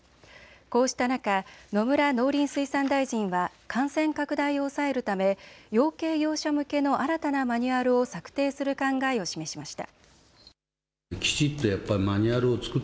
こうした中、野村農林水産大臣は感染拡大を抑えるため養鶏業者向けの新たなマニュアルを策定する考えを示しました。